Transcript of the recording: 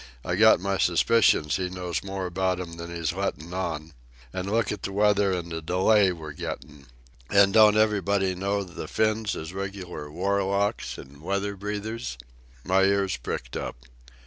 I got my suspicions he knows more about 'm than he's lettin' on. An' look at the weather an' the delay we're gettin'. An' don't everybody know the Finns is regular warlocks an' weather breeders?" My ears pricked up.